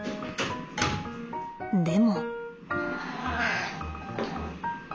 でも。